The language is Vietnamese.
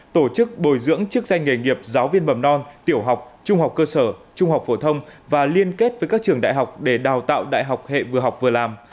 tổ chức bồi dưỡng chức danh nghề nghiệp giáo viên mầm non tiểu học trung học cơ sở trung học phổ thông và liên kết với các trường đại học để đào tạo đại học hệ vừa học vừa làm